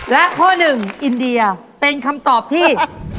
และข้อหนึ่งอินเดียเป็นคำตอบที่